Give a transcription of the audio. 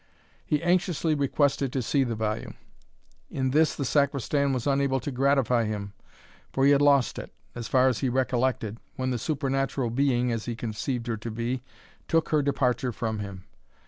He anxiously requested to see the volume. In this the Sacristan was unable to gratify him, for he had lost it, as far as he recollected, when the supernatural being, as he conceived her to be, took her departure from him.